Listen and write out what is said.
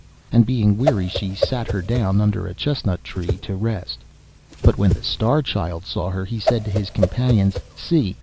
And being weary she sat her down under a chestnut tree to rest. But when the Star Child saw her, he said to his companions, 'See!